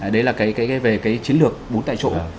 đấy là cái về cái chiến lược bốn tại chỗ